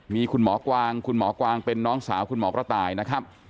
มีคุณหมอกวางคุณหมอกวางเป็นน้องสาวคุณหมอกระต่ายนะครับ